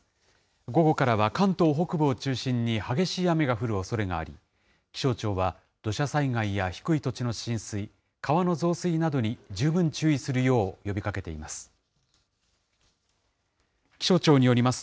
午後からは関東北部を中心に激しい雨が降るおそれがあり、気象庁は土砂災害や低い土地の浸水、川の増水などに十分注意するよう呼びかけています。